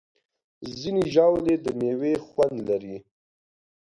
ځینې ژاولې د میوې خوند لري.